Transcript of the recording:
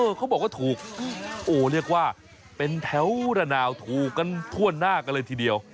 เขาบอกว่าถูกโอ้เรียกว่าเป็นแถวระนาวถูกกันทั่วหน้ากันเลยทีเดียว